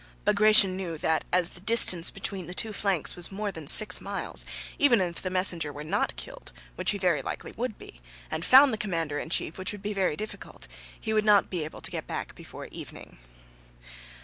Bagratión knew that as the distance between the two flanks was more than six miles, even if the messenger were not killed (which he very likely would be), and found the commander in chief (which would be very difficult), he would not be able to get back before evening.